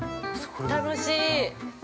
◆楽しい。